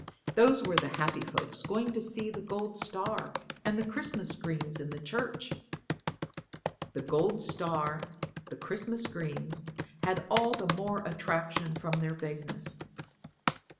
Those were the happy folks going to see the gold star and the Christmas greens in the church. The gold star, the Christmas greens, had all the more attraction from their vagueness.